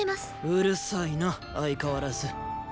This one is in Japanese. うるさいな相変わらず。